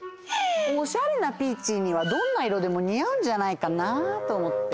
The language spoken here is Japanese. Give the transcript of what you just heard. おしゃれなピーチーにはどんないろでもにあうんじゃないかなとおもって。